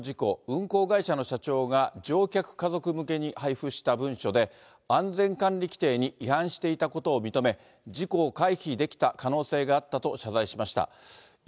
運航会社の社長が、乗客家族向けに配布した文書で、安全管理規程に違反していたことを認め、事故を回避できた可能性があったと謝罪しました。